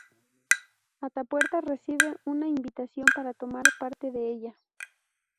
Atapuerca recibe una invitación para tomar parte en ella.